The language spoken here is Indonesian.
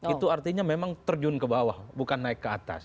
itu artinya memang terjun ke bawah bukan naik ke atas